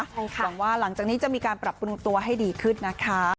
หวังว่าหลังจากนี้จะมีการปรับปรุงตัวให้ดีขึ้นนะคะ